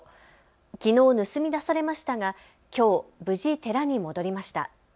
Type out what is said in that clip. きのう盗み出されましたがきょう無事、寺に戻りました。